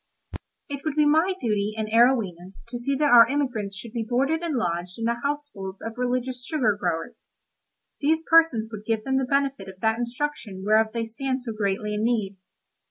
It would be my duty and Arowhena's to see that our emigrants should be boarded and lodged in the households of religious sugar growers; these persons would give them the benefit of that instruction whereof they stand so greatly in need.